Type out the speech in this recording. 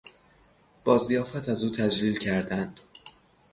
با ضیافت از او تجلیل کردند.